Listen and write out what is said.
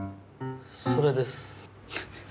それです。